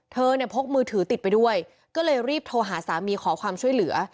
เธอเนี่ยพกมือถือติดไปด้วยก็เลยรีบโทรหาสามีขอความช่วยเหลือ